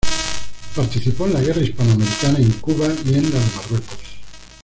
Participó en la Guerra Hispanoamericana en Cuba y en la de Marruecos.